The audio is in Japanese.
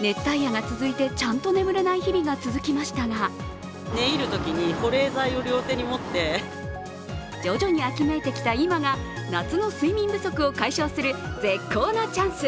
熱帯夜や続いてちゃんと眠れない日々が続きましたが徐々に秋めいてきた今が夏の睡眠不足を解消する絶好のチャンス。